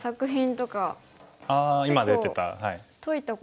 ああ今出てた。